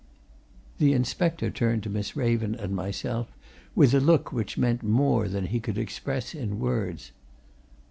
The inspector turned to Miss Raven and myself with a look which meant more than he could express in words.